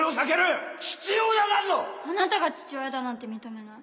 あなたが父親だなんて認めない